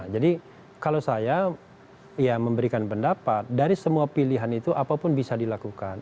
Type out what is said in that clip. jadi kalau saya memberikan pendapat dari semua pilihan itu apapun bisa dilakukan